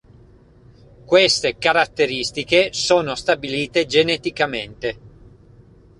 Queste caratteristiche sono stabilite geneticamente.